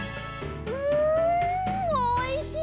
うんおいしい。